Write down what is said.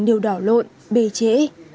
đều đảo lộn bề trễ